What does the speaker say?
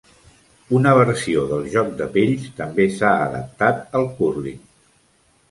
Una versió del joc de pells també s'ha adaptat al cúrling.